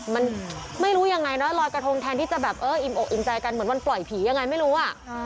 มันไม่รู้ยังไงเนอะลอยกระทงแทนที่จะแบบเอออิ่มอกอิ่มใจกันเหมือนวันปล่อยผียังไงไม่รู้อ่ะ